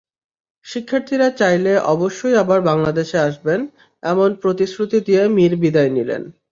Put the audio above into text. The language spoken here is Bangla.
শিক্ষার্থীরা চাইলে অবশ্যই আবার বাংলাদেশে আসবেন, এমন প্রতিশ্রুতি দিয়ে মীর বিদায় নিলেন।